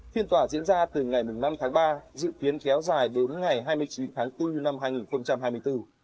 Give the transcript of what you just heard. phiên tòa diễn ra từ ngày năm tháng ba dự kiến kéo dài đến ngày hai mươi chín tháng bốn năm hai nghìn hai mươi bốn